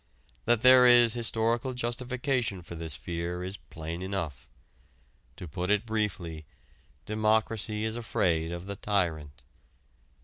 That there is historical justification for this fear is plain enough. To put it briefly, democracy is afraid of the tyrant.